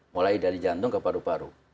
mulai dari jantung ke paru paru